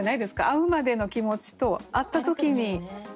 会うまでの気持ちと会った時に。